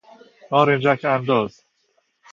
نارنجکانداز